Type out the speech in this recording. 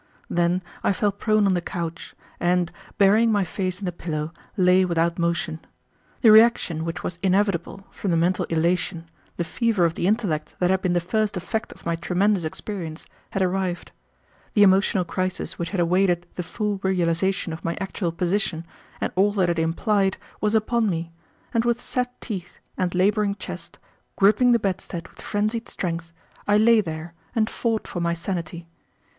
Then I fell prone on the couch, and, burying my face in the pillow, lay without motion. The reaction which was inevitable, from the mental elation, the fever of the intellect that had been the first effect of my tremendous experience, had arrived. The emotional crisis which had awaited the full realization of my actual position, and all that it implied, was upon me, and with set teeth and laboring chest, gripping the bedstead with frenzied strength, I lay there and fought for my sanity.